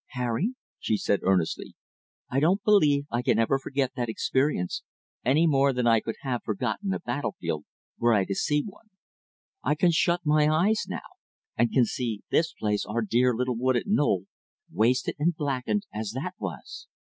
"Harry," she said earnestly, "I don't believe I can ever forget that experience, any more than I could have forgotten a battlefield, were I to see one. I can shut my eyes now, and can see this place our dear little wooded knoll wasted and blackened as that was."